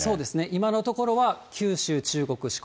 今のところは、九州、中国、四国。